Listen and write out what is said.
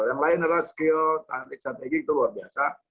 yang lain adalah skill strategi itu luar biasa